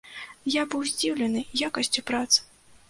Я быў здзіўлены якасцю прац!